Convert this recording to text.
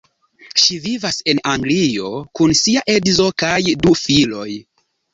Ŝi vivas en Anglio kun sia edzo kaj du filoj.